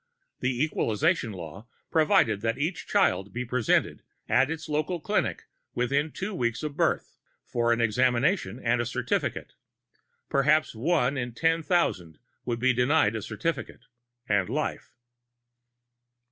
The Equalization Law provided that every child be presented at its local clinic within two weeks of birth, for an examination and a certificate. Perhaps one in ten thousand would be denied a certificate ... and life.